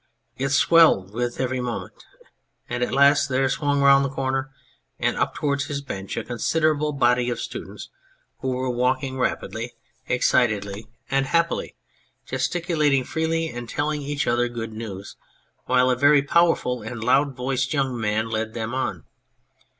It swelled with every moment, and at last there swung round the corner and up towards his bench a considerable body of students who were walking rapidly, excitedly, 176 The Hungry Student and happily, gesticulating freely and telling each other good news, while a very powerful and loud voiced young man led them on.